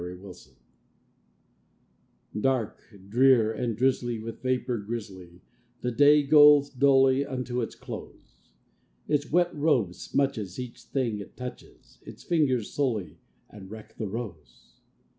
A WET DAY Dark, drear, and drizzly, with vapor grizzly, The day goes dully unto its close; Its wet robe smutches each thing it touches, Its fingers sully and wreck the rose.